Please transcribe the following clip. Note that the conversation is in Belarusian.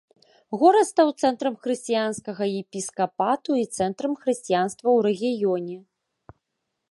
Горад стаў цэнтрам хрысціянскага епіскапату і цэнтрам хрысціянства ў рэгіёне.